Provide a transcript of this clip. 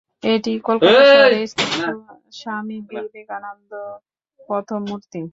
এটিই কলকাতা শহরে স্থাপিত স্বামী বিবেকানন্দের প্রথম মূর্তি।